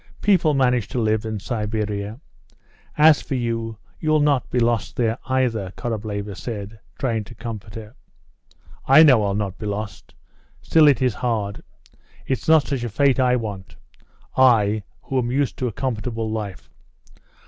People manage to live in Siberia. As for you, you'll not be lost there either," Korableva said, trying to comfort her. "I know I'll not be lost; still it is hard. It's not such a fate I want I, who am used to a comfortable life."